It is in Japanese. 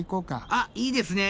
あっいいですね。